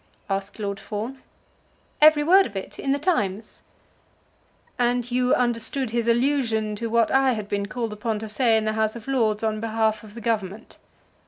asked Lord Fawn. "Every word of it, in the Times." "And you understood his allusion to what I had been called upon to say in the House of Lords on behalf of the Government?"